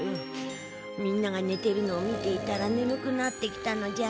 みんなが寝てるのを見ていたらねむくなってきたのじゃ。